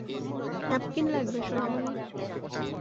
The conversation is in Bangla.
ন্যাপকিন লাগবে, সোনামনি?